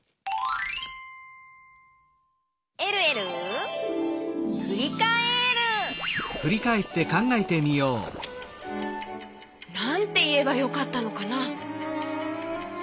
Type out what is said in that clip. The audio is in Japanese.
「えるえるふりかえる」なんていえばよかったのかな？